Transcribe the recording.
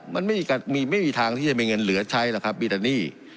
มันไม่มีทางที่จะมีเงินเหลือใช้หรอกครับมีแต่หนี้